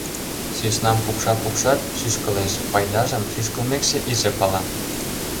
Сӧснам пукша-пукшат, шӱшкылеш; пайдажым шӱшкылмекше иже пала.